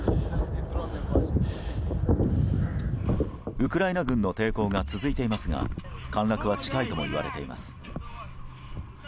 ウクライナ軍の抵抗が続いていますが陥落は近いともいわれています。